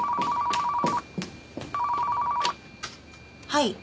はい。